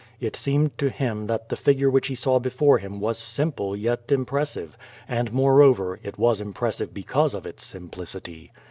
It seemed to him that the figure which he saw before him was simple yet impressive, and, moreover, it was impressive because of its simplicity.